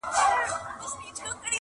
نو یې ووېشل ډوډۍ پر قسمتونو!